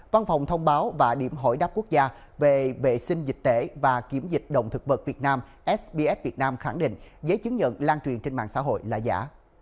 văn phòng thông báo và điểm hội đáp quốc gia về vệ sinh dịch tễ và kiểm dịch động thực vật việt nam sbs việt nam khẳng định giấy chứng nhận lan truyền trên mạng xã hội là giả